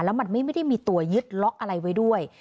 แล้วมันไม่ได้มีตัวยึดล็อกอะไรไว้ด้วย